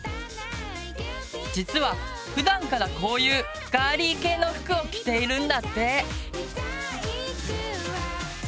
実はふだんからこういうガーリー系の服を着ているんだって。